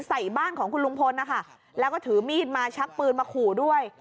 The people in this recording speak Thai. ใส่บ้านของคุณลุงพลนะคะแล้วก็ถือมีดมาชักปืนมาขู่ด้วย